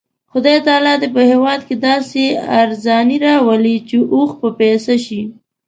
خدای تعالی دې په هېواد کې داسې ارزاني راولي چې اوښ په پیسه شي.